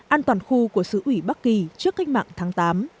an toàn khu của sứ ủy bắc kỳ trước cách mạng tháng tám